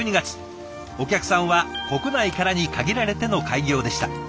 お客さんは国内からに限られての開業でした。